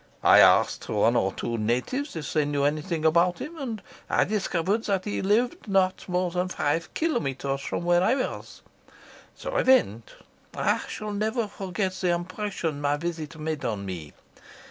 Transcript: I asked one or two natives if they knew anything about him, and I discovered that he lived not more than five kilometres from where I was. So I went. I shall never forget the impression my visit made on me.